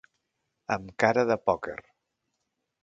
Amb cara de pòquer.